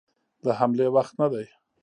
د حملې وخت نه دی.